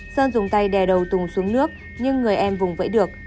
sơn dùng tay đè đầu tùng xuống nước nhưng người em vùng vẫy được